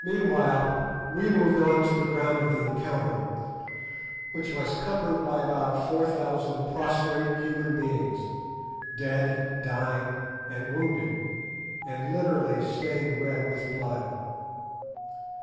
Meanwhile we moved on to the ground of the encounter, which was cumbered by about four thousand prostrate human beings, dead, dying, and wounded, and literally stained red with blood.